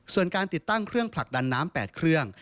ส่วนการติดตั้งเครื่องผลักดันน้ำ๘เครื่อง